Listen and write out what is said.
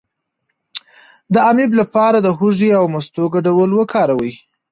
د امیب لپاره د هوږې او مستو ګډول وکاروئ